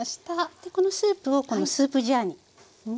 でこのスープをこのスープジャーに入れますね。